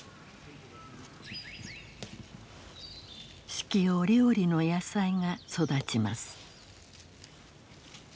四季折々の野菜が育ちます。